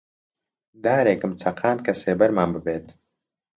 دارێکم چەقاند کە سێبەرمان ببێت